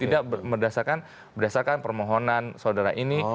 tidak berdasarkan permohonan saudara ini